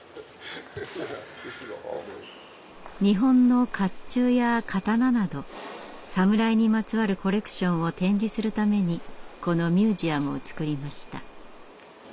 日本の甲冑や刀など「サムライ」にまつわるコレクションを展示するためにこのミュージアムを造りました。